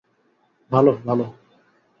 ভালো, ভালো।